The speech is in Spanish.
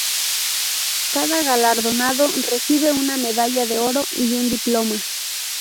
Cada galardonado recibe una medalla de oro y un diploma.